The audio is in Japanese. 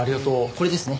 これですね。